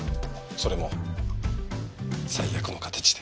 それも最悪の形で。